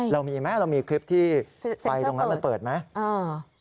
เรามีไหมเรามีคลิปที่ไฟตรงนั้นมันเปิดไหม